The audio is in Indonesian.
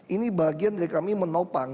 ini bagian dari kami menopang